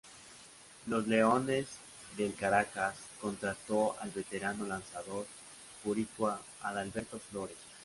Los Leones del Caracas contrató al veterano lanzador boricua Adalberto Flores.